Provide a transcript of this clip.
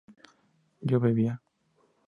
¿yo bebía?